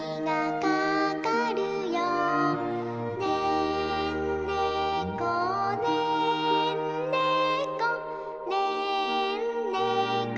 「ねんねこねんねこねんねこよ」